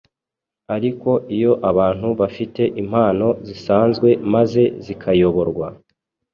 ariko iyo abantu bafite impano zisanzwe maze zikayoborwa